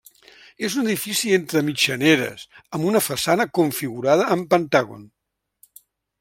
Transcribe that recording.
És un edifici entre mitjaneres, amb una façana configurada en pentàgon.